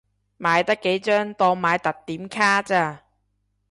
買得幾張當買特典卡咋